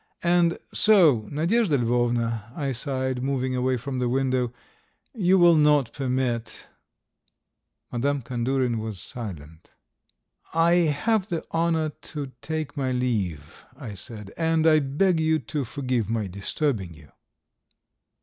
"And so, Nadyezhda Lvovna," I sighed, moving away from the window, "you will not permit ..." Madame Kandurin was silent. "I have the honour to take my leave," I said, "and I beg you to forgive my disturbing you.